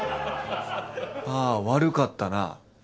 あ悪かったな！